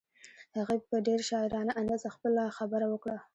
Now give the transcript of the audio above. هغې په ډېر شاعرانه انداز خپله خبره وکړه.